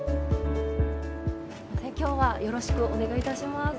今日はよろしくお願いいたします。